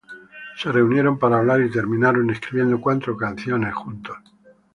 Se reunieron para hablar y terminaron escribiendo cuatro canciones juntos.